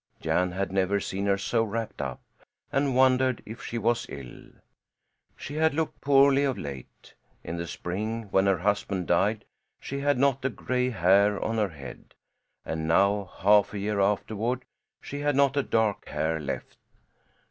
Jan had never seen her so wrapped up, and wondered if she was ill. She had looked poorly of late. In the spring, when her husband died, she had not a gray hair on her head, and now, half a year afterward, she had not a dark hair left.